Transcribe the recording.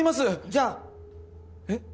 じゃあ。えっ？